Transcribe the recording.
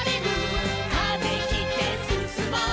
「風切ってすすもう」